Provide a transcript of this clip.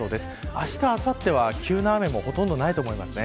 あした、あさっては急な雨もほとんどないと思います。